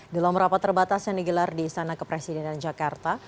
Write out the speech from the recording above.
dalam rapat terbatas yang digelar di sana ke presiden dan jakarta